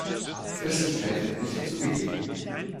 Flüssigkeit wird nicht zugegeben.